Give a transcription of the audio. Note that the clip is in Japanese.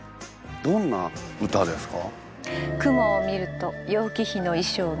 どんな詩ですか？